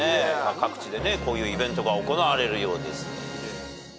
各地でこういうイベントが行われるようです。